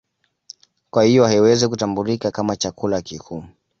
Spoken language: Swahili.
Kwa hiyo haiwezi kutambulika kama chakula kikuu